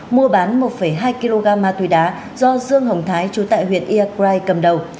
mua bán một hai kg ma túy đá do dương hồng thái chú tại huyện iagrai cầm đầu